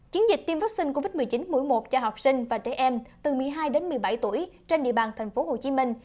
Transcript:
chiến dịch tiêm vaccine covid một mươi chín mũi một cho học sinh và trẻ em từ một mươi hai đến một mươi bảy tuổi trên địa bàn thành phố hồ chí minh